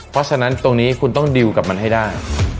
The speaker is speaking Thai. เพราะฉะนั้นตรงนี้คุณต้องดิวกับมันให้ได้